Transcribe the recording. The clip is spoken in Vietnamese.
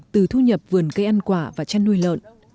từ thu nhập vườn cây ăn quả và chăn nuôi lợn